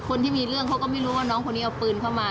คนที่มีเรื่องเขาก็ไม่รู้ว่าน้องคนนี้เอาปืนเข้ามา